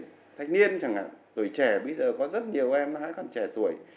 thế nhưng thách niên chẳng hạn tuổi trẻ bây giờ có rất nhiều em hai con trẻ tuổi